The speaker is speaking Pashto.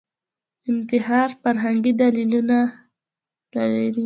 انتحار فرهنګي دلالتونه لري